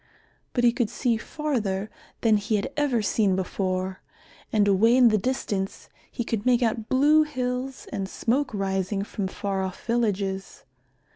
But he could see farther than he had ever seen before, and away in the distance he could make out blue hills and smoke rising from far off villages.